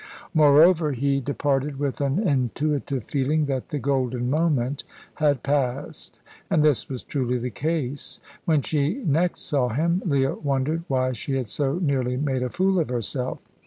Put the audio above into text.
Moreover, he departed with an intuitive feeling that the golden moment had passed. And this was truly the case. When she next saw him, Leah wondered why she had so nearly made a fool of herself.